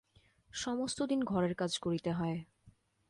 সমস্তদিন ঘরের কাজ করিতে হয়।